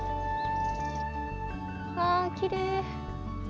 あー、きれい。